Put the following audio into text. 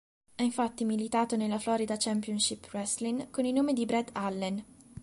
Ha infatti militato nella Florida Championship Wrestling con il nome di Brad Allen.